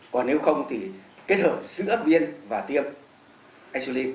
còn nếu không thì kết hợp giữa viên và tiêm insulin